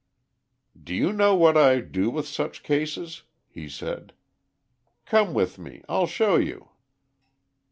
"Do you know what I do with such cases?" he said. "Come with me, I'll show you."